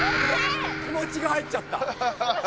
気もちが入っちゃった。